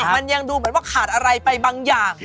มันยังดูเหมือนว่าขาดอะไรไปบางอย่าง